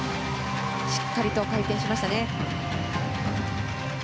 しっかりと回転しました。